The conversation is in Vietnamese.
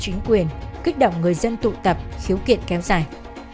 chính quyền kích động người dân tụ tập khiếu kiện kéo dài